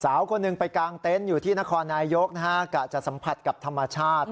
สาวคนหนึ่งไปกางเต็นต์อยู่ที่นครนายกนะฮะกะจะสัมผัสกับธรรมชาติ